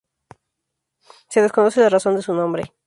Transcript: Se desconoce la razón de su nombre.